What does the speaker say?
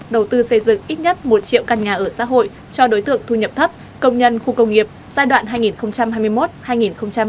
đầu tư xây dựng ít nhất một triệu căn nhà ở xã hội cho đối tượng thu nhập thấp công nhân khu công nghiệp giai đoạn hai nghìn hai mươi một hai nghìn hai mươi năm